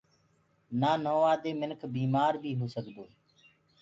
نآ نهووآدي مِنک بيٚمآر بيٚ هو سگدوئي